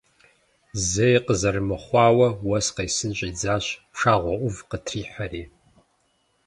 Зэи къызэрымыхъуауэ уэс къесын щӀидзащ, пшагъуэ Ӏув къытрихьэри.